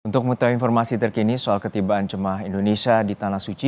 untuk mengetahui informasi terkini soal ketibaan jemaah indonesia di tanah suci